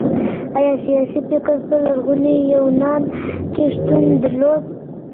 ايا سياسي فکر په لرغوني يونان کي شتون درلود؟